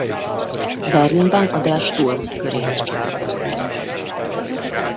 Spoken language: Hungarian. Berlinben a Der Sturm köréhez csatlakozott.